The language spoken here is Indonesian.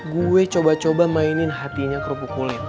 gue coba coba mainin hatinya kerupuk kulit